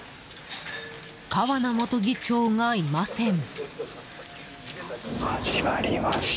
川名元議長がいません。